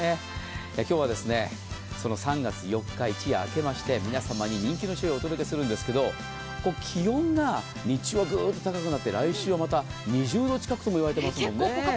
今日はその３月４日一夜明けまして皆様に人気の商品をお届けするんですけど気温が日中はぐっと高くなって来週はまた２０度近くともいわれていますもんね。